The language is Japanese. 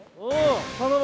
頼む！